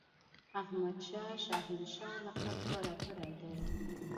احمدشاه شاه هنشاه لقب غوره کړی دی.